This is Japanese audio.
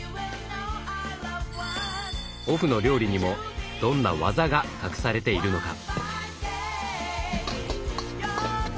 オフの料理にもどんな技が隠されているのか？